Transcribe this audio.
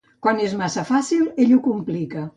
Quan és massa fàcil, ell ho complica.